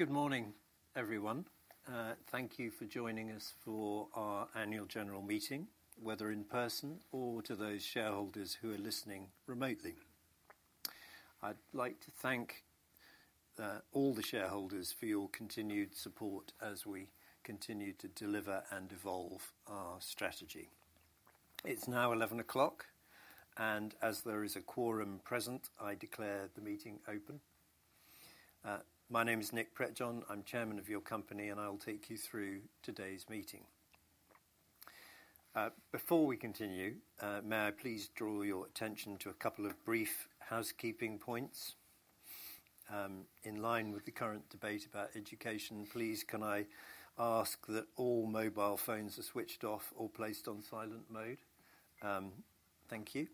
Good morning, everyone. Thank you for joining us for our annual general meeting, whether in person or to those shareholders who are listening remotely. I'd like to thank all the shareholders for your continued support as we continue to deliver and evolve our strategy. It's now 11:00 A.M., and as there is a quorum present, I declare the meeting open. My name is Nick Prettejohn. I'm chairman of your company, and I'll take you through today's meeting. Before we continue, may I please draw your attention to a couple of brief housekeeping points? In line with the current debate about education, please, can I ask that all mobile phones are switched off or placed on silent mode? Thank you.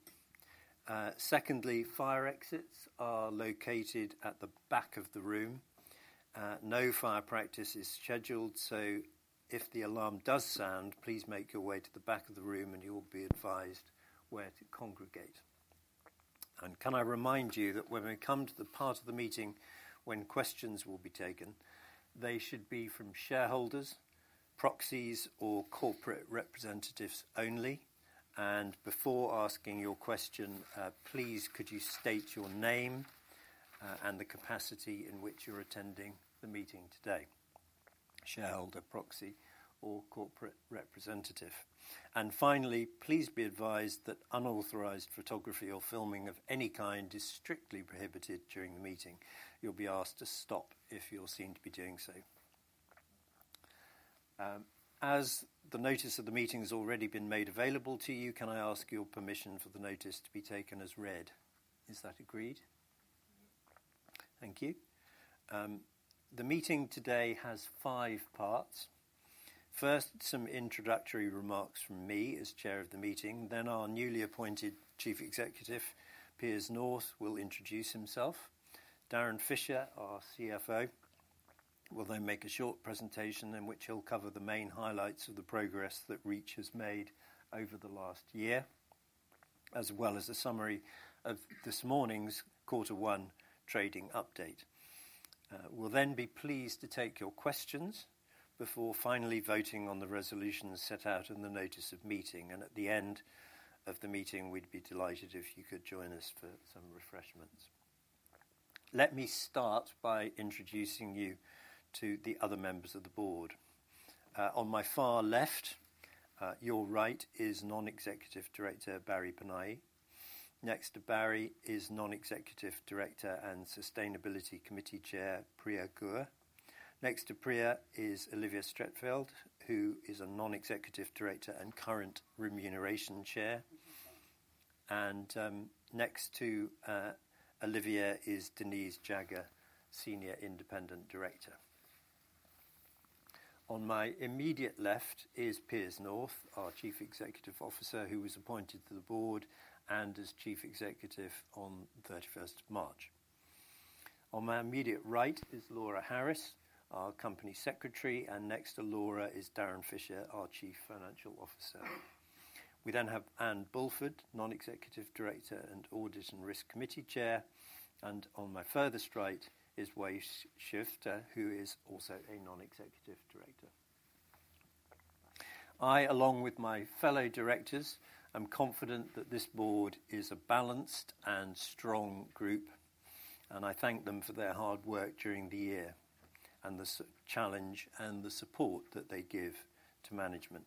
Secondly, fire exits are located at the back of the room. No fire practice is scheduled, so if the alarm does sound, please make your way to the back of the room, and you'll be advised where to congregate. Can I remind you that when we come to the part of the meeting when questions will be taken, they should be from shareholders, proxies, or corporate representatives only? Before asking your question, please, could you state your name and the capacity in which you're attending the meeting today? Shareholder, proxy, or corporate representative. Finally, please be advised that unauthorized photography or filming of any kind is strictly prohibited during the meeting. You'll be asked to stop if you're seen to be doing so. As the notice of the meeting has already been made available to you, can I ask your permission for the notice to be taken as read? Is that agreed? Yes. Thank you. The meeting today has five parts. First, some introductory remarks from me as Chair of the meeting. Then our newly appointed Chief Executive Officer, Piers North, will introduce himself. Darren Fisher, our CFO, will then make a short presentation in which he'll cover the main highlights of the progress that Reach has made over the last year, as well as a summary of this morning's Quarter One trading update. We will then be pleased to take your questions before finally voting on the resolutions set out in the notice of meeting. At the end of the meeting, we'd be delighted if you could join us for some refreshments. Let me start by introducing you to the other members of the Board. On my far left, your right, is Non-Executive Director Barry Panayi. Next to Barry is Non-Executive Director and Sustainability Committee Chair, Priya Guha. Next to Priya is Olivia Streatfeild, who is a non-executive director and current Remuneration Committee chair. Next to Olivia is Denise Jagger, Senior Independent Director. On my immediate left is Piers North, our Chief Executive Officer, who was appointed to the board and as Chief Executive on 31st March. On my immediate right is Laura Harris, our Company Secretary. Next to Laura is Darren Fisher, our Chief Financial Officer. We then have Anne Bulford, non-executive director and Audit and Risk Committee chair. On my further right is Wais Shaifta, who is also a non-executive director. I, along with my fellow directors, am confident that this board is a balanced and strong group, and I thank them for their hard work during the year and the challenge and the support that they give to management.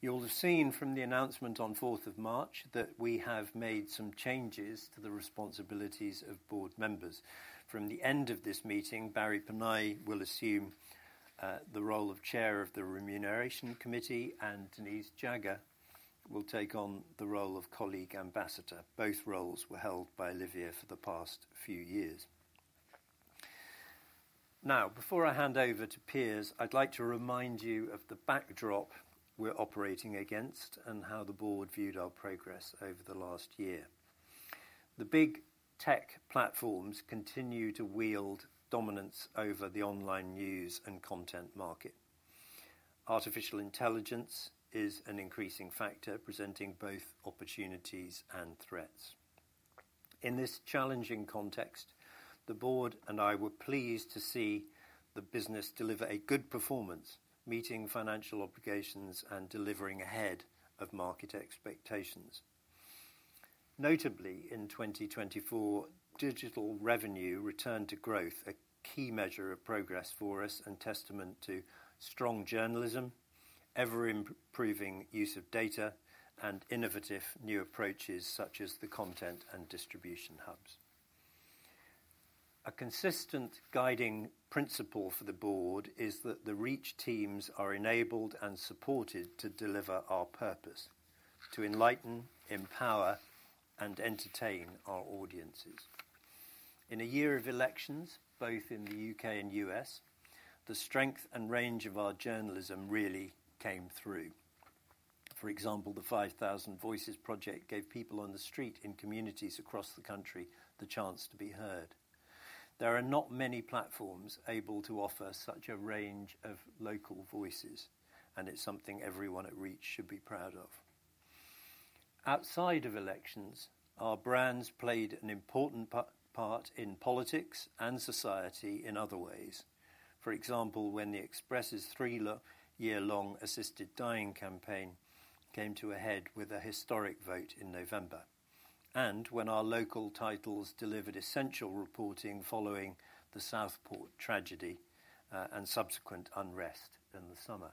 You'll have seen from the announcement on 4th of March that we have made some changes to the responsibilities of board members. From the end of this meeting, Barry Panayi will assume the role of Chair of the Remuneration Committee, and Denise Jagger will take on the role of Colleague Ambassador. Both roles were held by Olivia for the past few years. Now, before I hand over to Piers, I'd like to remind you of the backdrop we're operating against and how the board viewed our progress over the last year. The big tech platforms continue to wield dominance over the online news and content market. Artificial intelligence is an increasing factor, presenting both opportunities and threats. In this challenging context, the board and I were pleased to see the business deliver a good performance, meeting financial obligations and delivering ahead of market expectations. Notably, in 2024, digital revenue returned to growth, a key measure of progress for us and testament to strong journalism, ever-improving use of data, and innovative new approaches such as the content and distribution hubs. A consistent guiding principle for the board is that the Reach teams are enabled and supported to deliver our purpose: to enlighten, empower, and entertain our audiences. In a year of elections, both in the U.K. and U.S., the strength and range of our journalism really came through. For example, the 5,000 Voices project gave people on the street in communities across the country the chance to be heard. There are not many platforms able to offer such a range of local voices, and it's something everyone at Reach should be proud of. Outside of elections, our brands played an important part in politics and society in other ways. For example, when the Express's three-year-long assisted dying campaign came to a head with a historic vote in November, and when our local titles delivered essential reporting following the Southport tragedy and subsequent unrest in the summer.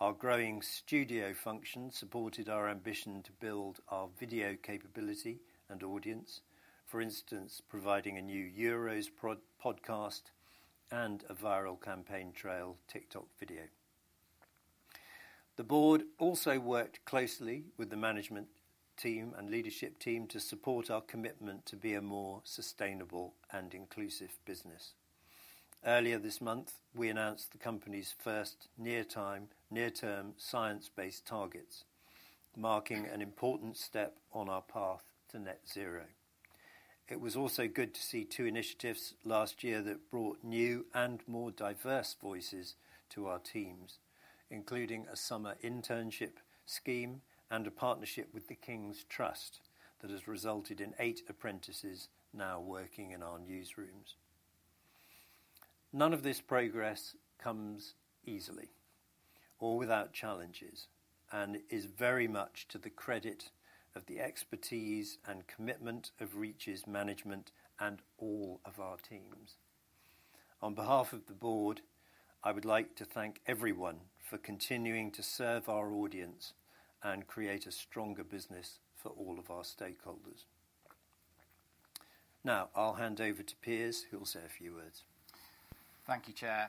Our growing studio function supported our ambition to build our video capability and audience, for instance, providing a new Euros podcast and a viral campaign trail TikTok video. The Board also worked closely with the management team and leadership team to support our commitment to be a more sustainable and inclusive business. Earlier this month, we announced the company's first near-term science-based targets, marking an important step on our path to net zero. It was also good to see two initiatives last year that brought new and more diverse voices to our teams, including a summer internship scheme and a partnership with The Prince's Trust that has resulted in eight apprentices now working in our newsrooms. None of this progress comes easily or without challenges and is very much to the credit of the expertise and commitment of Reach's management and all of our teams. On behalf of the board, I would like to thank everyone for continuing to serve our audience and create a stronger business for all of our stakeholders. Now, I'll hand over to Piers, who'll say a few words. Thank you, Chair.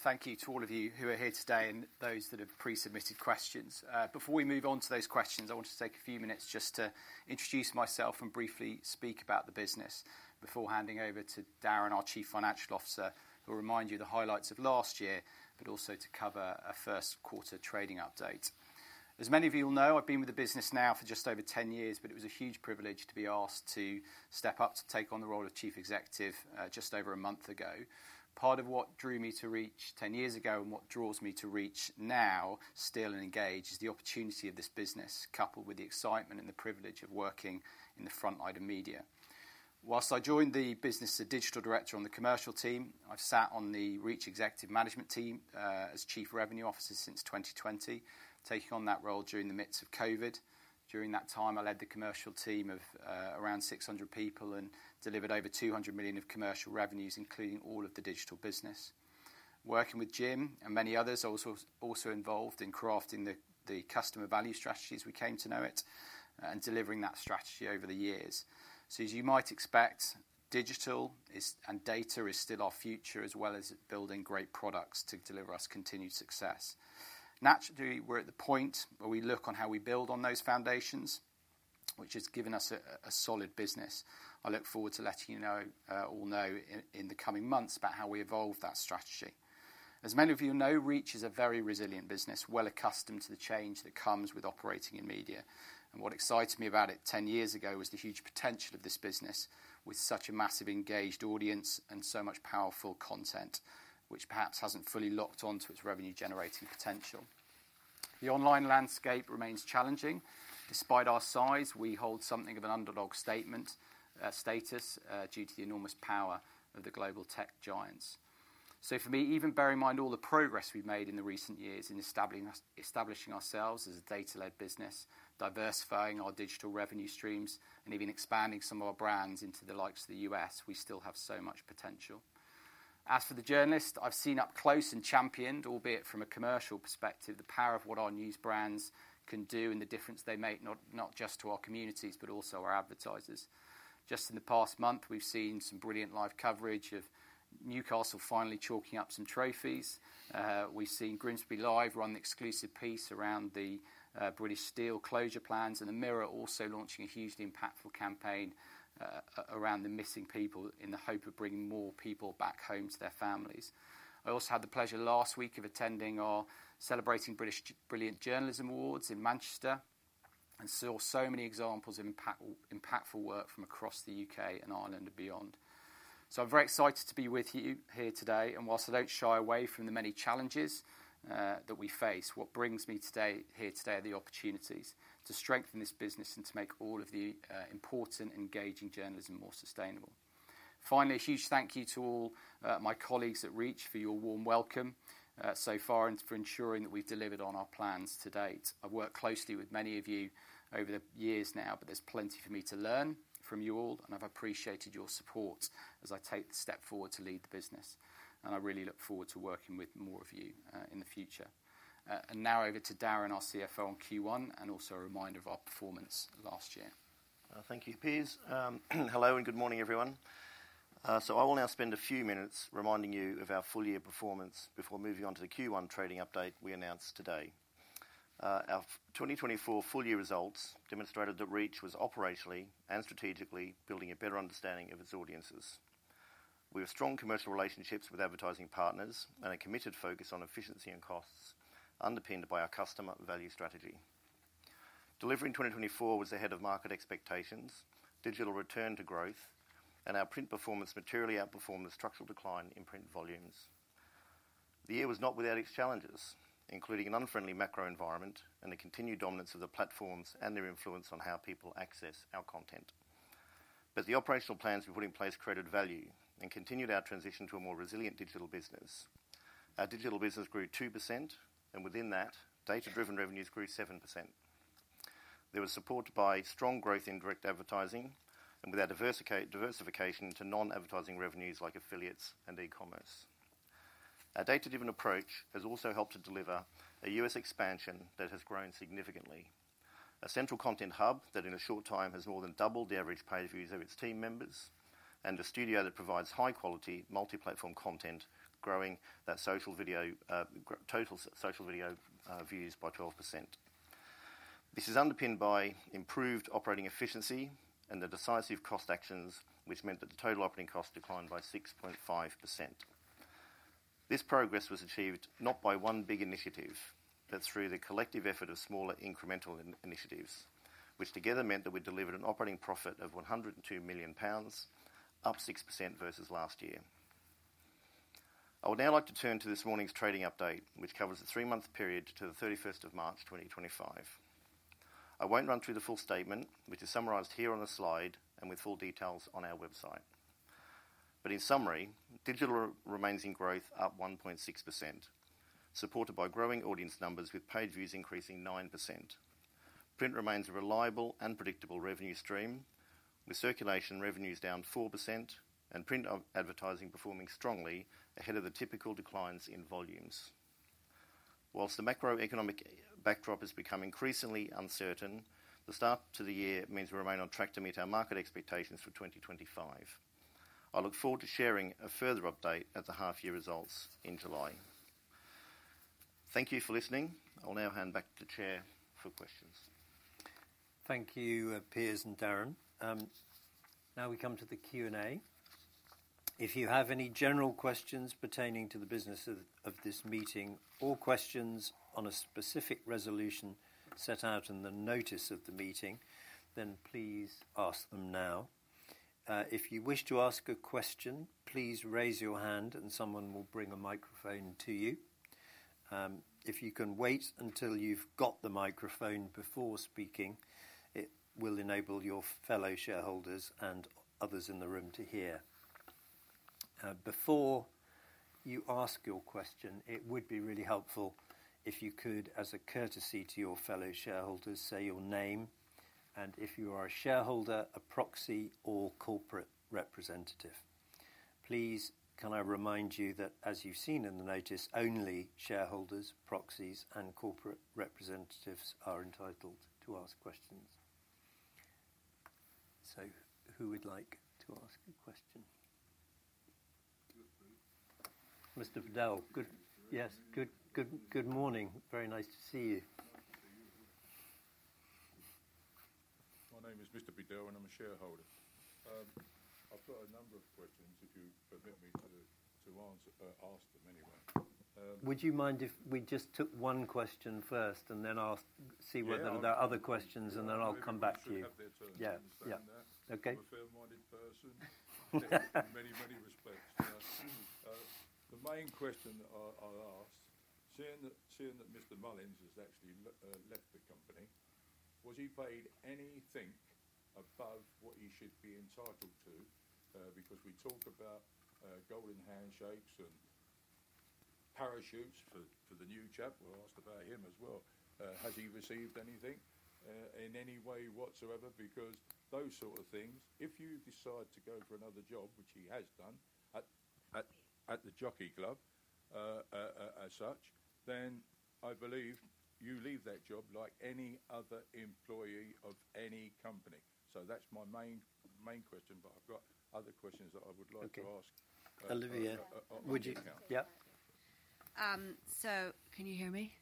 Thank you to all of you who are here today and those that have pre-submitted questions. Before we move on to those questions, I want to take a few minutes just to introduce myself and briefly speak about the business before handing over to Darren, our Chief Financial Officer, who'll remind you of the highlights of last year, but also to cover a first quarter trading update. As many of you will know, I've been with the business now for just over 10 years, but it was a huge privilege to be asked to step up to take on the role of Chief Executive just over a month ago. Part of what drew me to Reach 10 years ago and what draws me to Reach now, still, and engage is the opportunity of this business, coupled with the excitement and the privilege of working in the front line of media. Whilst I joined the business as a digital director on the commercial team, I've sat on the Reach executive management team as Chief Revenue Officer since 2020, taking on that role during the midst of COVID. During that time, I led the commercial team of around 600 people and delivered over 200 million of commercial revenues, including all of the digital business. Working with Jim and many others, I was also involved in crafting the customer value strategies we came to know it and delivering that strategy over the years. As you might expect, digital and data is still our future, as well as building great products to deliver us continued success. Naturally, we're at the point where we look on how we build on those foundations, which has given us a solid business. I look forward to letting you all know in the coming months about how we evolve that strategy. As many of you know, Reach is a very resilient business, well accustomed to the change that comes with operating in media. What excited me about it 10 years ago was the huge potential of this business with such a massive engaged audience and so much powerful content, which perhaps hasn't fully locked on to its revenue-generating potential. The online landscape remains challenging. Despite our size, we hold something of an underlogged status, due to the enormous power of the global tech giants. For me, even bearing in mind all the progress we've made in the recent years in establishing ourselves as a data-led business, diversifying our digital revenue streams, and even expanding some of our brands into the likes of the US, we still have so much potential. As for the journalist, I've seen up close and championed, albeit from a commercial perspective, the power of what our news brands can do and the difference they make, not just to our communities, but also our advertisers. Just in the past month, we've seen some brilliant live coverage of Newcastle finally chalking up some trophies. We've seen Grimsby Live run an exclusive piece around the British Steel closure plans, and The Mirror also launching a hugely impactful campaign around the missing people in the hope of bringing more people back home to their families. I also had the pleasure last week of attending our Celebrating British Brilliant Journalism Awards in Manchester and saw so many examples of impactful work from across the U.K. and Ireland and beyond. I am very excited to be with you here today. Whilst I do not shy away from the many challenges that we face, what brings me here today are the opportunities to strengthen this business and to make all of the important engaging journalism more sustainable. Finally, a huge thank you to all my colleagues at Reach for your warm welcome so far and for ensuring that we have delivered on our plans to date. I have worked closely with many of you over the years now, but there is plenty for me to learn from you all, and I have appreciated your support as I take the step forward to lead the business. I really look forward to working with more of you in the future. Now, over to Darren, our CFO, on Q1 and also a reminder of our performance last year. Thank you, Piers. Hello and good morning, everyone. I will now spend a few minutes reminding you of our full-year performance before moving on to the Q1 trading update we announced today. Our 2024 full-year results demonstrated that Reach was operationally and strategically building a better understanding of its audiences. We have strong commercial relationships with advertising partners and a committed focus on efficiency and costs underpinned by our customer value strategy. Delivering 2024 was ahead of market expectations, digital returned to growth, and our print performance materially outperformed the structural decline in print volumes. The year was not without its challenges, including an unfriendly macro environment and the continued dominance of the platforms and their influence on how people access our content. The operational plans we put in place created value and continued our transition to a more resilient digital business. Our digital business grew 2%, and within that, data-driven revenues grew 7%. There was support by strong growth in direct advertising and with our diversification to non-advertising revenues like affiliates and e-commerce. Our data-driven approach has also helped to deliver a US expansion that has grown significantly, a central content hub that in a short time has more than doubled the average page views of its team members, and a studio that provides high-quality multi-platform content, growing that total social video views by 12%. This is underpinned by improved operating efficiency and the decisive cost actions, which meant that the total operating cost declined by 6.5%. This progress was achieved not by one big initiative, but through the collective effort of smaller incremental initiatives, which together meant that we delivered an operating profit of 102 million pounds, up 6% versus last year. I would now like to turn to this morning's trading update, which covers the three-month period to the 31st of March 2025. I won't run through the full statement, which is summarized here on the slide and with full details on our website. In summary, digital remains in growth, up 1.6%, supported by growing audience numbers with page views increasing 9%. Print remains a reliable and predictable revenue stream, with circulation revenues down 4% and print advertising performing strongly ahead of the typical declines in volumes. Whilst the macroeconomic backdrop has become increasingly uncertain, the start to the year means we remain on track to meet our market expectations for 2025. I look forward to sharing a further update at the half-year results in July. Thank you for listening. I'll now hand back to the Chair for questions. Thank you, Piers and Darren. Now we come to the Q&A. If you have any general questions pertaining to the business of this meeting or questions on a specific resolution set out in the notice of the meeting, then please ask them now. If you wish to ask a question, please raise your hand and someone will bring a microphone to you. If you can wait until you've got the microphone before speaking, it will enable your fellow shareholders and others in the room to hear. Before you ask your question, it would be really helpful if you could, as a courtesy to your fellow shareholders, say your name and if you are a shareholder, a proxy, or corporate representative. Please, can I remind you that, as you've seen in the notice, only shareholders, proxies, and corporate representatives are entitled to ask questions. Who would like to ask a question? Mr. Fidel. Yes. Good morning. Very nice to see you. My name is Mr. Fidel and I'm a shareholder. I've got a number of questions, if you permit me to ask them anyway. Would you mind if we just took one question first and then see whether there are other questions, and then I'll come back to you? Yeah. I'm a fair-minded person in many, many respects. The main question I'll ask, seeing that Mr. Mullen has actually left the company, was he paid anything above what he should be entitled to? Because we talk about golden handshakes and parachutes for the new chap. We'll ask about him as well. Has he received anything in any way whatsoever? Because those sort of things, if you decide to go for another job, which he has done at the Jockey Club as such, then I believe you leave that job like any other employee of any company. That's my main question, but I've got other questions that I would like to ask. Olivia, would you? Yeah. Can you hear me?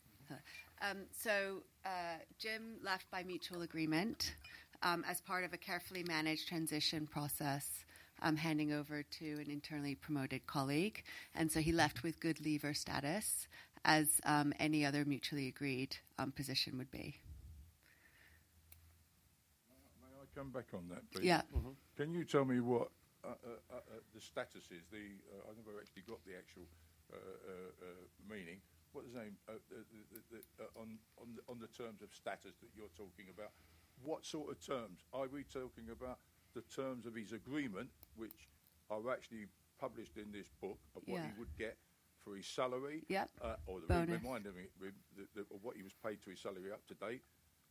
Jim left by mutual agreement as part of a carefully managed transition process handing over to an internally promoted colleague. He left with good leaver status, as any other mutually agreed position would be. May I come back on that, please? Yeah. Can you tell me what the status is? I don't know if I've actually got the actual meaning. What does that mean on the terms of status that you're talking about? What sort of terms? Are we talking about the terms of his agreement, which are actually published in this book, of what he would get for his salary? Yeah. The reading of what he was paid to his salary up to date,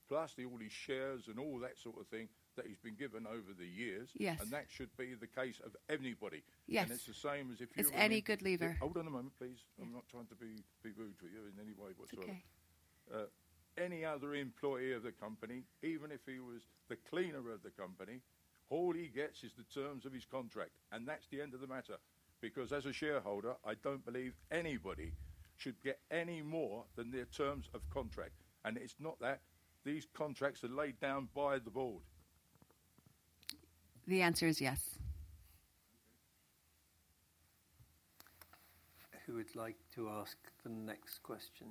plus all his shares and all that sort of thing that he's been given over the years? Yes. That should be the case of anybody. Yes. It is the same as if you're... It's any good leaver. Hold on a moment, please. I'm not trying to be rude with you in any way whatsoever. Okay. Any other employee of the company, even if he was the cleaner of the company, all he gets is the terms of his contract. That is the end of the matter. Because as a shareholder, I do not believe anybody should get any more than their terms of contract. It is not that. These contracts are laid down by the board. The answer is yes. Who would like to ask the next question?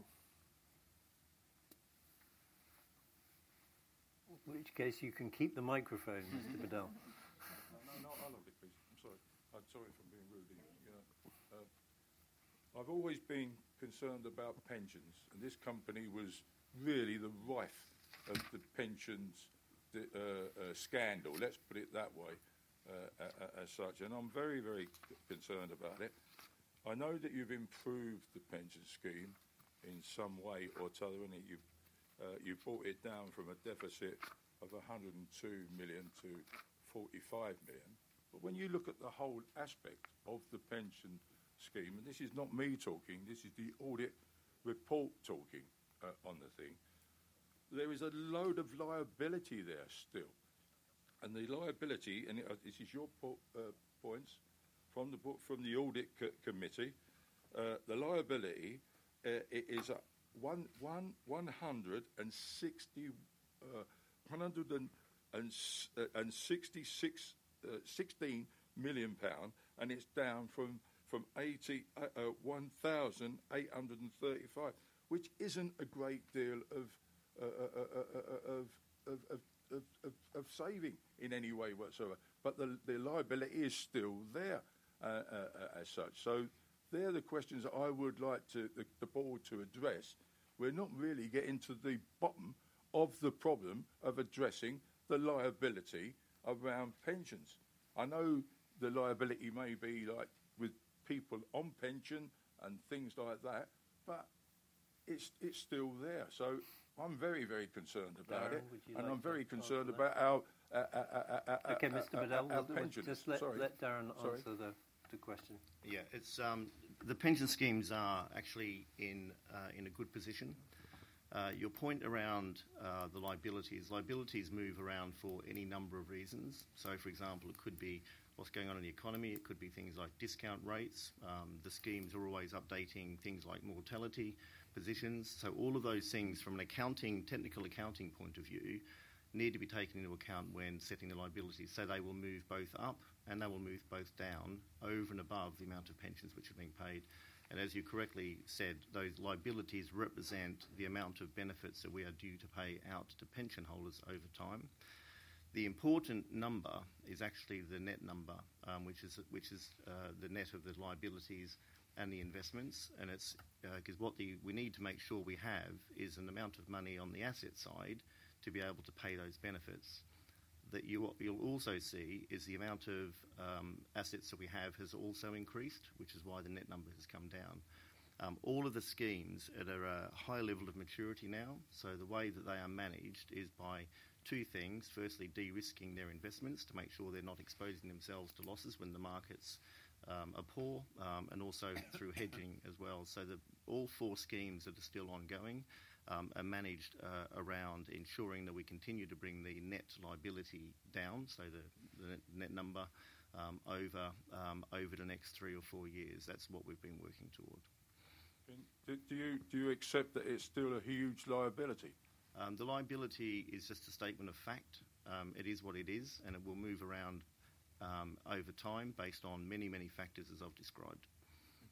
In which case, you can keep the microphone, Mr. Fidel. No, not unloading, please. I'm sorry. I'm sorry if I'm being rude. I've always been concerned about pensions. This company was really the wife of the pensions scandal, let's put it that way, as such. I'm very, very concerned about it. I know that you've improved the pension scheme in some way or another. You've brought it down from a deficit of 102 million to 45 million. When you look at the whole aspect of the pension scheme, and this is not me talking, this is the audit report talking on the thing, there is a load of liability there still. The liability, and this is your points from the Audit Committee, the liability is GBP 166 million, and it's down from 1,835 million, which isn't a great deal of saving in any way whatsoever. The liability is still there, as such. They're the questions I would like the board to address. We're not really getting to the bottom of the problem of addressing the liability around pensions. I know the liability may be with people on pension and things like that, but it's still there. I'm very, very concerned about it. I'm very concerned about our... Okay, Mr. Fidel, I'll just let Darren answer the question. Yeah. The pension schemes are actually in a good position. Your point around the liabilities, liabilities move around for any number of reasons. For example, it could be what's going on in the economy. It could be things like discount rates. The schemes are always updating things like mortality positions. All of those things, from an accounting, technical accounting point of view, need to be taken into account when setting the liabilities. They will move both up and they will move both down over and above the amount of pensions which are being paid. As you correctly said, those liabilities represent the amount of benefits that we are due to pay out to pension holders over time. The important number is actually the net number, which is the net of the liabilities and the investments. What we need to make sure we have is an amount of money on the asset side to be able to pay those benefits. You'll also see the amount of assets that we have has also increased, which is why the net number has come down. All of the schemes are at a high level of maturity now. The way that they are managed is by two things. Firstly, de-risking their investments to make sure they're not exposing themselves to losses when the markets are poor, and also through hedging as well. All four schemes that are still ongoing are managed around ensuring that we continue to bring the net liability down, so the net number, over the next three or four years. That's what we've been working toward. Do you accept that it's still a huge liability? The liability is just a statement of fact. It is what it is, and it will move around over time based on many, many factors, as I've described.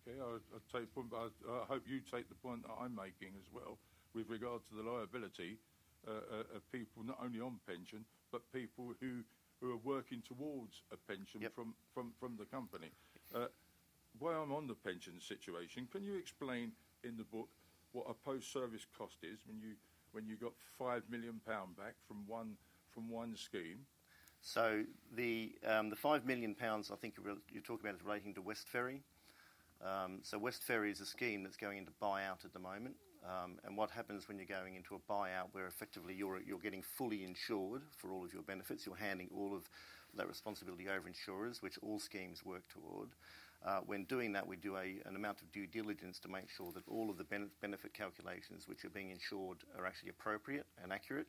Okay. I'll take the point. I hope you take the point that I'm making as well with regard to the liability of people not only on pension, but people who are working towards a pension from the company. While I'm on the pension situation, can you explain in the book what a post-service cost is when you got 5 million pound back from one scheme? The 5 million pounds, I think you're talking about, is relating to West Ferry. West Ferry is a scheme that's going into buyout at the moment. What happens when you're going into a buyout where effectively you're getting fully insured for all of your benefits, you're handing all of that responsibility over to insurers, which all schemes work toward. When doing that, we do an amount of due diligence to make sure that all of the benefit calculations which are being insured are actually appropriate and accurate.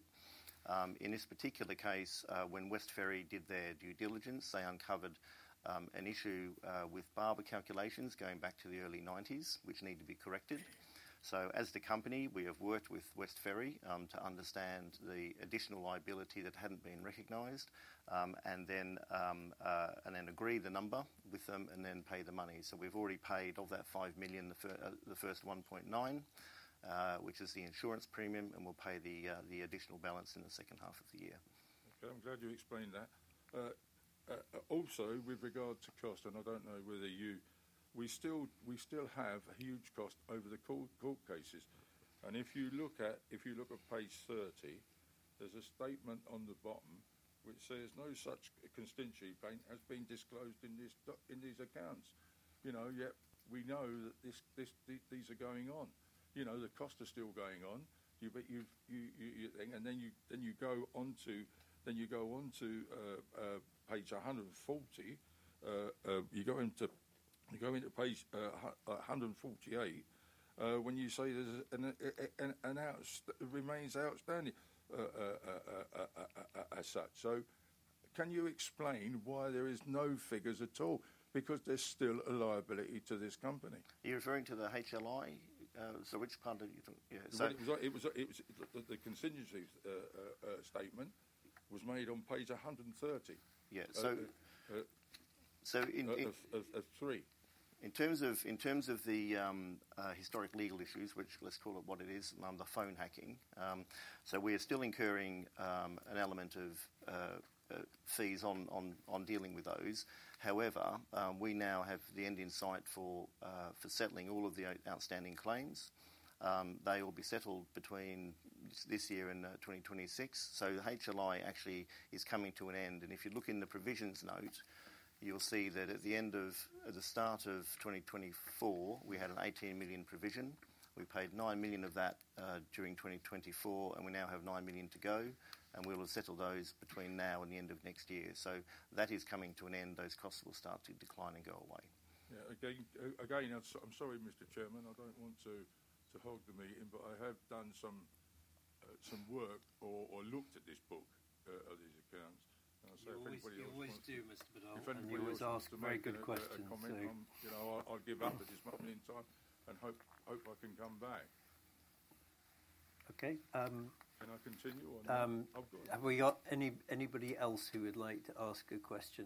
In this particular case, when West Ferry did their due diligence, they uncovered an issue with Barber calculations going back to the early 1990s, which need to be corrected. As the company, we have worked with West Ferry to understand the additional liability that hadn't been recognized and then agree the number with them and then pay the money. We have already paid all that 5 million, the first 1.9 million, which is the insurance premium, and we will pay the additional balance in the second half of the year. Okay. I'm glad you explained that. Also, with regard to cost, and I don't know whether you... We still have huge costs over the court cases. If you look at page 30, there's a statement on the bottom which says no such constituency payment has been disclosed in these accounts. Yet we know that these are going on. The costs are still going on. You go on to page 140, you go into page 148 when you say there's an outstanding remains outstanding, as such. Can you explain why there are no figures at all? Because there's still a liability to this company. Are you referring to the HLI? Which part of... It was the constituency statement was made on page 130. Yeah. So... Of three. In terms of the historic legal issues, which let's call it what it is, the phone hacking, we are still incurring an element of fees on dealing with those. However, we now have the end in sight for settling all of the outstanding claims. They will be settled between this year and 2026. The HLI actually is coming to an end. If you look in the provisions note, you'll see that at the end of the start of 2024, we had a 18 million provision. We paid 9 million of that during 2024, and we now have 9 million to go. We will settle those between now and the end of next year. That is coming to an end. Those costs will start to decline and go away. Yeah. Again, I'm sorry, Mr. Chairman. I don't want to hold the meeting, but I have done some work or looked at this book, these accounts. I'll say if anybody else wants... You always do, Mr. Fidel. If anybody else wants... Very good questions. I'll give up at this moment in time and hope I can come back. Okay. Can I continue or no? I've got... Have we got anybody else who would like to ask a question?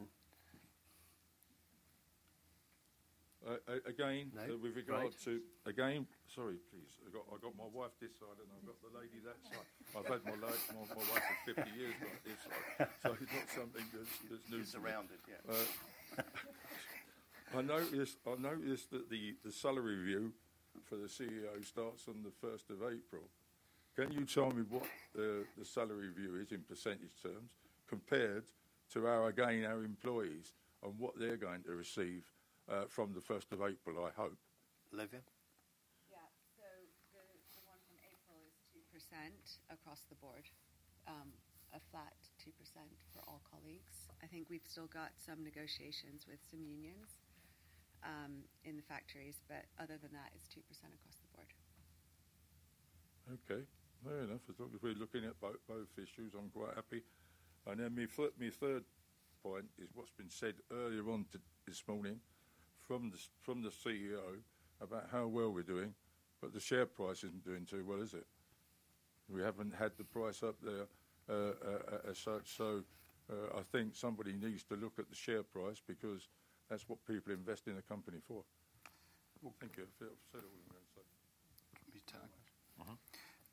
you believe the current level is sufficient? No. Again, sorry, please. I've got my wife this side and I've got the lady that side. I've had my wife for 50 years on this side. It's not something that's new to me. She's around it, yeah. I noticed that the salary review for the CEO starts on the 1st of April. Can you tell me what the salary review is in % terms compared to, again, our employees and what they're going to receive from the 1st of April, I hope? Olivia. Yeah. The one from April is 2% across the board, a flat 2% for all colleagues. I think we've still got some negotiations with some unions in the factories, but other than that, it's 2% across the board. Okay. Fair enough. If we're looking at both issues, I'm quite happy. Then my third point is what's been said earlier on this morning from the CEO about how well we're doing. The share price isn't doing too well, is it? We haven't had the price up there, as such. I think somebody needs to look at the share price because that's what people invest in a company for. Thank you. I've said everything I'm going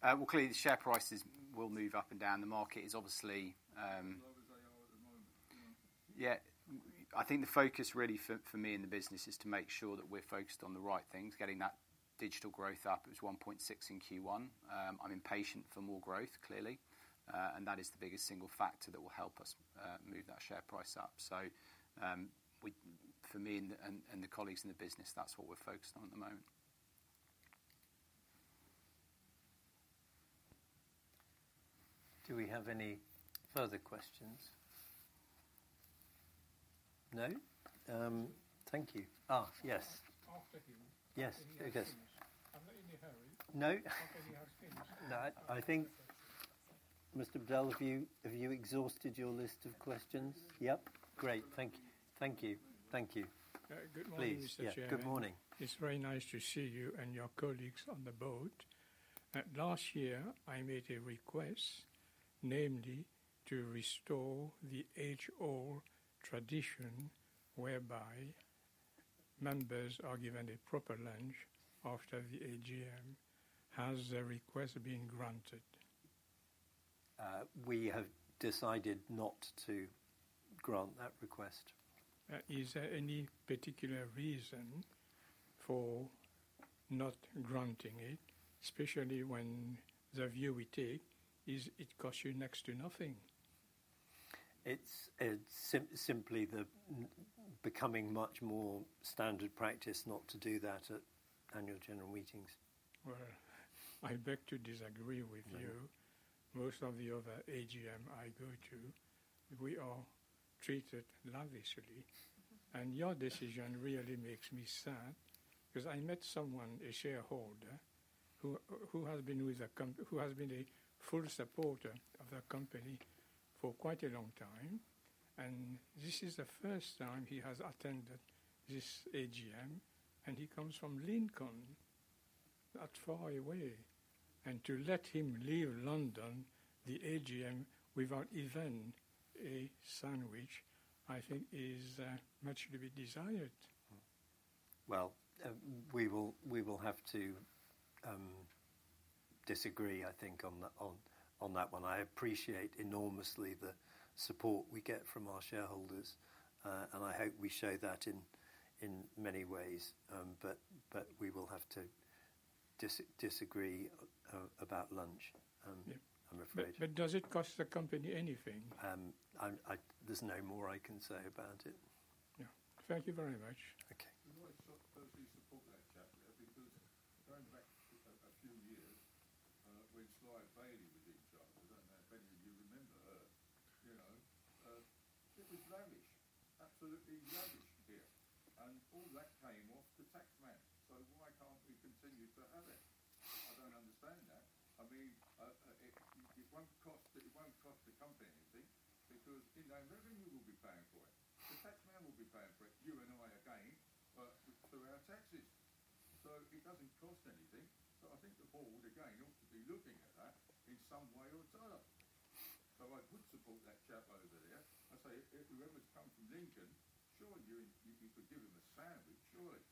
to say. Clearly, the share prices will move up and down. The market is obviously... As low as they are at the moment. Yeah. I think the focus really for me in the business is to make sure that we're focused on the right things, getting that digital growth up. It was 1.6 in Q1. I'm impatient for more growth, clearly. That is the biggest single factor that will help us move that share price up. For me and the colleagues in the business, that's what we're focused on at the moment. Do we have any further questions? No? Thank you. Yes. After him. Yes. I'm not in a hurry. No. I think, Mr. Fidel, have you exhausted your list of questions? Yep. Great. Thank you. Thank you. Thank you. Good morning, Mr. Chairman. Please. Good morning. It's very nice to see you and your colleagues on the board. Last year, I made a request, namely to restore the age-old tradition whereby members are given a proper lunch after the AGM. Has the request been granted? We have decided not to grant that request. Is there any particular reason for not granting it, especially when the view we take is it costs you next to nothing? It's simply becoming much more standard practice not to do that at annual general meetings. I beg to disagree with you. Most of the other AGM I go to, we are treated lavishly. Your decision really makes me sad because I met someone, a shareholder, who has been a full supporter of the company for quite a long time. This is the first time he has attended this AGM. He comes from Lincoln, not far away. To let him leave London, the AGM, without even a sandwich, I think is much to be desired. We will have to disagree, I think, on that one. I appreciate enormously the support we get from our shareholders. I hope we show that in many ways. We will have to disagree about lunch, I'm afraid. Does it cost the company anything? There's no more I can say about it. Yeah. Thank you very much. Okay. I'm quite shocked those who support that chapter because going back a few years, when Sly Bailey was in charge, I don't know if any of you remember her, it was lavish, absolutely lavish here. All that came off the tax man. Why can't we continue to have it? I don't understand that. I mean, it won't cost the company anything because in that revenue, we'll be paying for it. The tax man will be paying for it, you and I again, through our taxes. It doesn't cost anything. I think the board, again, ought to be looking at that in some way or another. I would support that chap over there. I say, if whoever's coming from Lincoln, surely you could give him a sandwich, surely.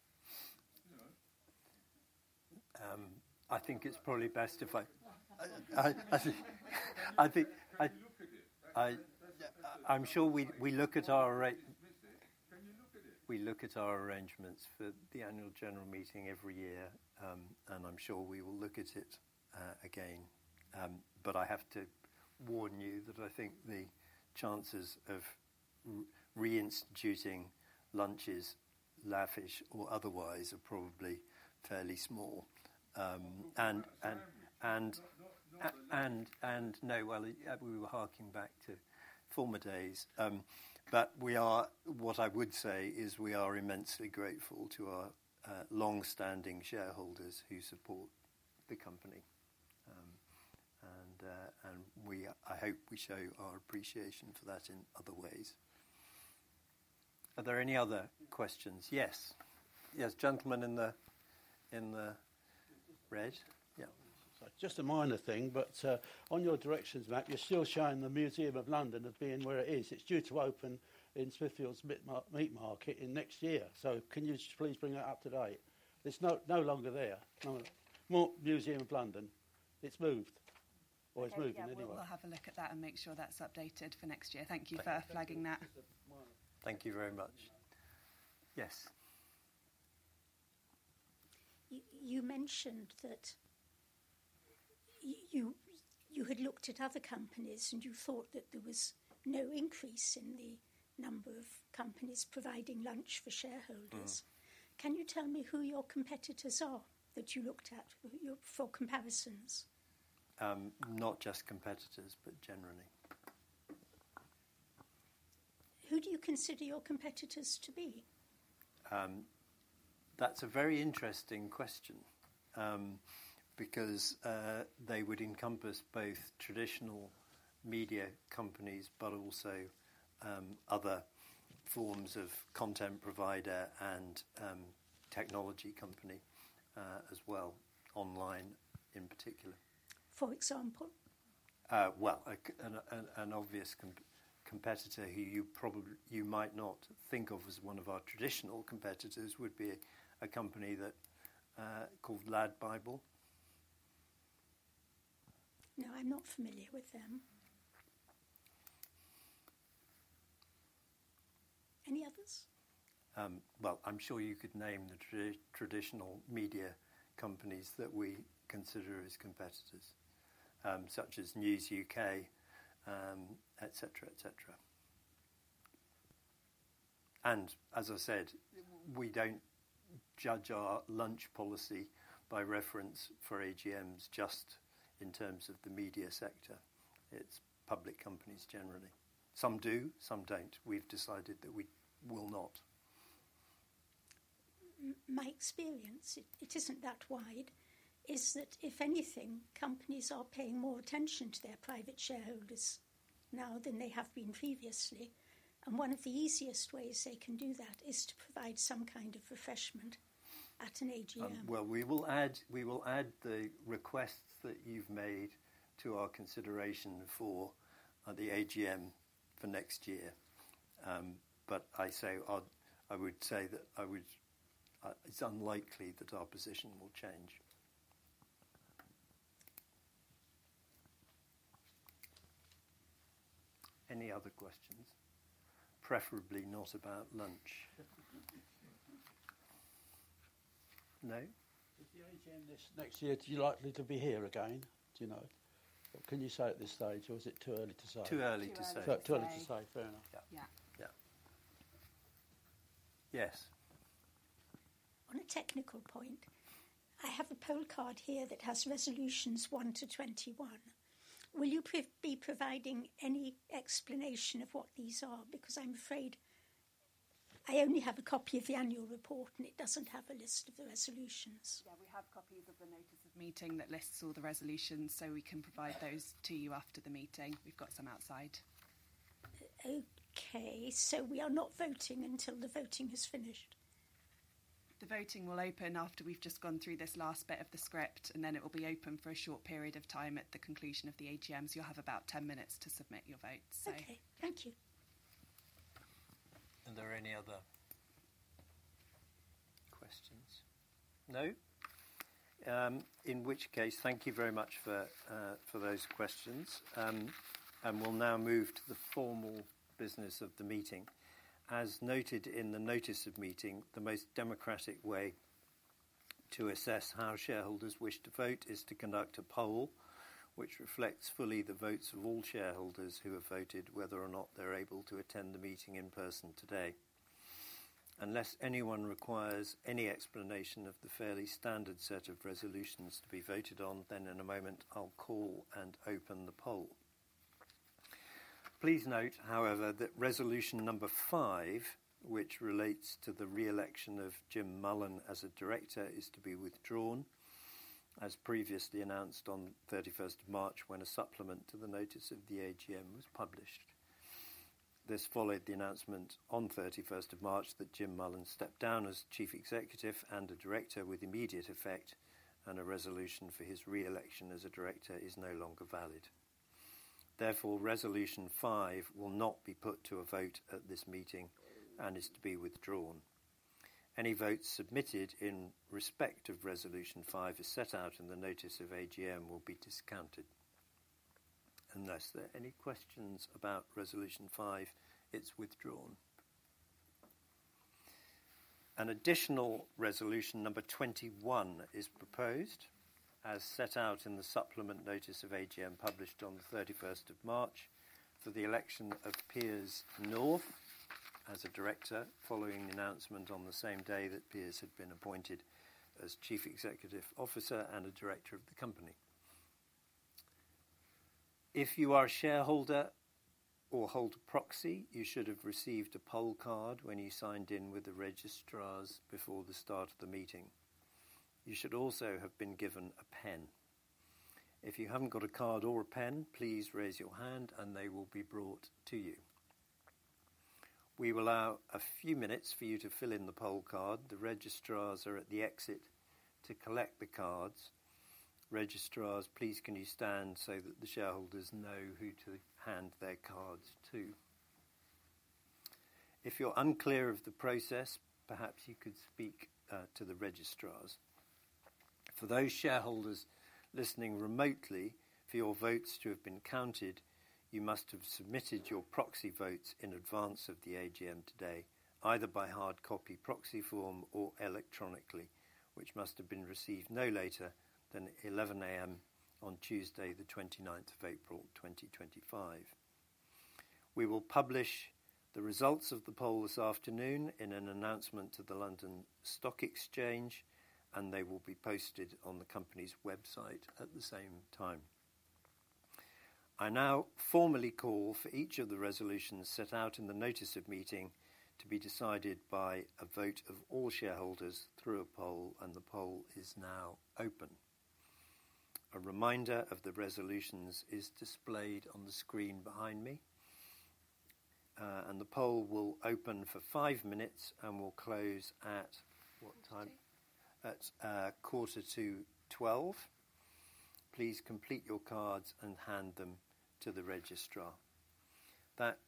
I think it's probably best if I... Can you look at it? I'm sure we look at our... Can you look at it? We look at our arrangements for the annual general meeting every year. I am sure we will look at it again. I have to warn you that I think the chances of reinstituting lunches, lavish or otherwise, are probably fairly small. No, no. No, we were harking back to former days. What I would say is we are immensely grateful to our long-standing shareholders who support the company. I hope we show our appreciation for that in other ways. Are there any other questions? Yes. Yes. Gentlemen in the... Red? Yeah. Just a minor thing. On your directions, Matt, you're still showing the Museum of London as being where it is. It's due to open in Smithfield Meat Market next year. Can you please bring that up to date? It's no longer there. Not Museum of London. It's moved. Or it's moving anyway. We'll have a look at that and make sure that's updated for next year. Thank you for flagging that. Thank you very much. Yes. You mentioned that you had looked at other companies and you thought that there was no increase in the number of companies providing lunch for shareholders. Can you tell me who your competitors are that you looked at for comparisons? Not just competitors, but generally. Who do you consider your competitors to be? That's a very interesting question because they would encompass both traditional media companies, but also other forms of content provider and technology company as well, online in particular. For example? An obvious competitor who you might not think of as one of our traditional competitors would be a company called LADbible. No, I'm not familiar with them. Any others? I'm sure you could name the traditional media companies that we consider as competitors, such as News UK, etc., etc. As I said, we don't judge our lunch policy by reference for AGMs just in terms of the media sector. It's public companies generally. Some do, some don't. We've decided that we will not. My experience, it isn't that wide, is that if anything, companies are paying more attention to their private shareholders now than they have been previously. One of the easiest ways they can do that is to provide some kind of refreshment at an AGM. We will add the requests that you've made to our consideration for the AGM for next year. I would say that it's unlikely that our position will change. Any other questions? Preferably not about lunch. No? If the AGM next year is likely to be here again, do you know? Can you say at this stage, or is it too early to say? Too early to say. Too early to say, fair enough. Yeah. Yeah. Yes. On a technical point, I have a poll card here that has resolutions 1 to 21. Will you be providing any explanation of what these are? Because I'm afraid I only have a copy of the annual report and it doesn't have a list of the resolutions. Yeah, we have copies of the notice of meeting that lists all the resolutions. We can provide those to you after the meeting. We've got some outside. Okay. We are not voting until the voting has finished? The voting will open after we've just gone through this last bit of the script. It will be open for a short period of time at the conclusion of the AGMs. You'll have about 10 minutes to submit your votes. Okay. Thank you. Are there any other questions? No? In which case, thank you very much for those questions. We will now move to the formal business of the meeting. As noted in the notice of meeting, the most democratic way to assess how shareholders wish to vote is to conduct a poll which reflects fully the votes of all shareholders who have voted, whether or not they're able to attend the meeting in person today. Unless anyone requires any explanation of the fairly standard set of resolutions to be voted on, then in a moment, I'll call and open the poll. Please note, however, that resolution number 5, which relates to the re-election of Jim Mullen as a director, is to be withdrawn, as previously announced on 31st of March when a supplement to the notice of the AGM was published. This followed the announcement on 31st of March that Jim Mullen stepped down as Chief Executive and a director with immediate effect, and a resolution for his re-election as a director is no longer valid. Therefore, resolution 5 will not be put to a vote at this meeting and is to be withdrawn. Any votes submitted in respect of resolution 5 as set out in the notice of AGM will be discounted. Unless there are any questions about resolution 5, it's withdrawn. An additional resolution number 21 is proposed, as set out in the supplement notice of AGM published on the 31st of March for the election of Piers North as a director, following the announcement on the same day that Piers had been appointed as Chief Executive Officer and a director of the company. If you are a shareholder or hold a proxy, you should have received a poll card when you signed in with the registrars before the start of the meeting. You should also have been given a pen. If you haven't got a card or a pen, please raise your hand and they will be brought to you. We will allow a few minutes for you to fill in the poll card. The registrars are at the exit to collect the cards. Registrars, please can you stand so that the shareholders know who to hand their cards to? If you're unclear of the process, perhaps you could speak to the registrars. For those shareholders listening remotely, for your votes to have been counted, you must have submitted your proxy votes in advance of the AGM today, either by hard copy proxy form or electronically, which must have been received no later than 11:00 A.M. on Tuesday, the 29th of April, 2025. We will publish the results of the poll this afternoon in an announcement to the London Stock Exchange, and they will be posted on the company's website at the same time. I now formally call for each of the resolutions set out in the notice of meeting to be decided by a vote of all shareholders through a poll, and the poll is now open. A reminder of the resolutions is displayed on the screen behind me. The poll will open for five minutes and will close at what time? Quarter to. At quarter to 12:00. Please complete your cards and hand them to the registrar. That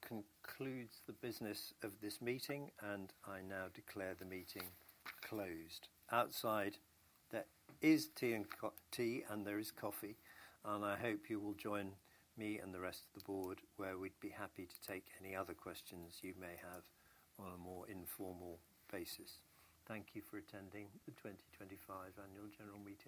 concludes the business of this meeting, and I now declare the meeting closed. Outside, there is tea and there is coffee. I hope you will join me and the rest of the board, where we'd be happy to take any other questions you may have on a more informal basis. Thank you for attending the 2025 annual general meeting.